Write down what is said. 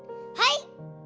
はい！